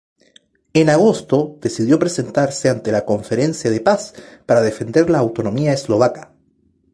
En agosto, decidió presentarse ante la Conferencia de Paz para defender la autonomía eslovaca.